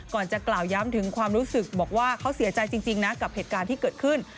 ก่อนจะกล่าวย้ำถึงความรู้สึกบอกว่าเขาเสียใจจริงนะกับเหตุการณ์ที่เกิดขึ้น